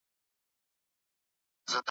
په لویه جرګه کي کمېټې چېرته بحث کوي؟